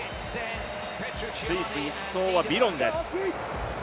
スイス１走はビロンです。